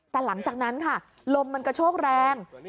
แต่หลังจากนั้นค่ะลมมันกระโชกแรง